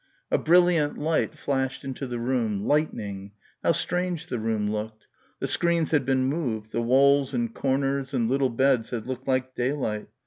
A brilliant light flashed into the room ... lightning how strange the room looked the screens had been moved the walls and corners and little beds had looked like daylight.